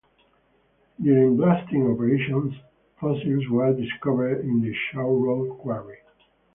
During blasting operations, fossils were discovered in the Shaw Road quarry.